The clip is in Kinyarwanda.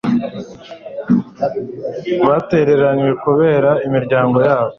batereranywe kubera imiryango yabo